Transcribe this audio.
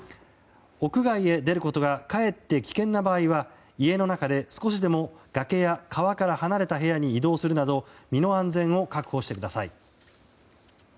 屋外へ出ることがかえって危険な場合は家の中で少しでも崖や川から離れた部屋に移動するなど身の安全を確保してください。